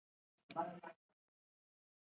کوچیان د افغانستان د صنعت لپاره مواد برابروي.